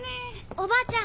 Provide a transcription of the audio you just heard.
おばあちゃん